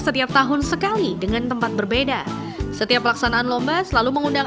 petik laut itu pesta rakyat